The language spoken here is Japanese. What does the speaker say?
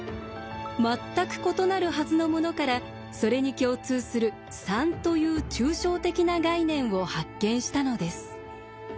全く異なるはずのものからそれに共通する３という抽象的な概念を発見したのです。